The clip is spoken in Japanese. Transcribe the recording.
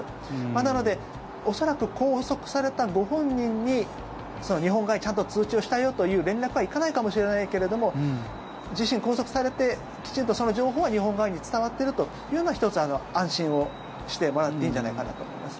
なので、恐らく拘束されたご本人に日本側にちゃんと通知をしたよという連絡は行かないかもしれないけれども自身、拘束されてきちんとその情報が日本側に伝わってるというのは１つ、安心をしてもらっていいんじゃないかなと思います。